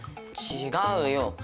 違うよ。